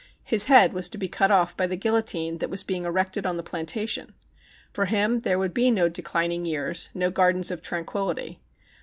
Kis head was to be cut off by the guillotine that was being erected on the plantation. For him there would be no declining years, no gardens of tranquillity.